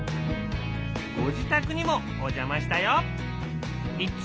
ご自宅にもお邪魔したよ。